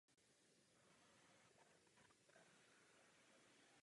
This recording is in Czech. Díky značnému poškození se dá podoba hradu těžko interpretovat.